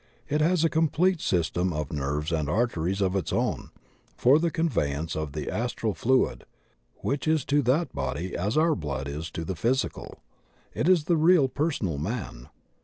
It has a complete system of nerves and arteries of its own for the convey ance of the astral fluid which is to that body as our blood is to the physical. It is the real personal man.